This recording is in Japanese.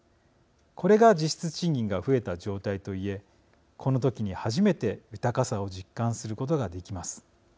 これが実質賃金が増えた状態と言えこの時に初めて豊かさを実感することができます。